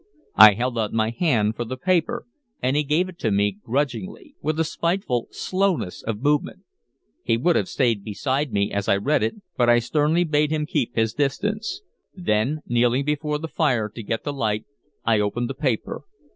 I held out my hand for the paper, and he gave it to me grudgingly, with a spiteful slowness of movement. He would have stayed beside me as I read it, but I sternly bade him keep his distance; then kneeling before the fire to get the light, I opened the paper.